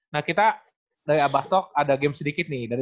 nah kita dari abah talk ada game sedikit nih